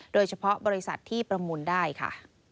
โดยเฉพาะบริษัทที่ประมูลได้ค่ะ